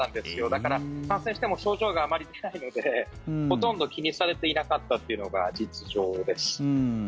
だから、感染しても症状があまり出ないのでほとんど気にされていなかったというのが実情です。